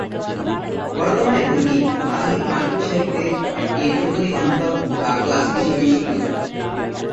বর্তমানে বইটি আধুনিক মার্কিন সাহিত্যের একটি ধ্রুপদী গ্রন্থ বা "ক্লাসিক" হিসেবে স্বীকৃত।